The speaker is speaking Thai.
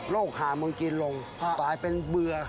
หามึงกินลงกลายเป็นเบื่อ